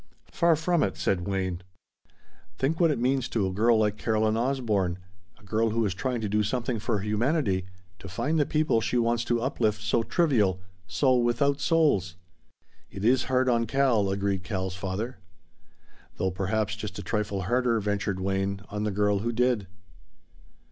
"Far from it," said Wayne. "Think what it means to a girl like Caroline Osborne! A girl who is trying to do something for humanity to find the people she wants to uplift so trivial so without souls!" "It is hard on Cal," agreed Cal's father. "Though perhaps just a trifle harder," ventured Wayne, "on the girl who did."